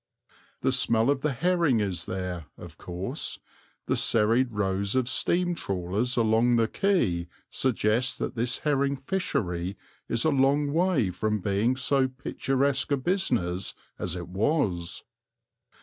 The smell of the herring is there, of course; the serried rows of steam trawlers along the quay suggest that this herring fishery is a long way from being so picturesque a business as it was.